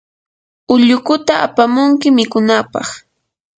ullukuta apamunki mikunapaq.